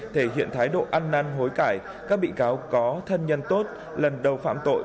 thể hiện thái độ ăn năn hối cải các bị cáo có thân nhân tốt lần đầu phạm tội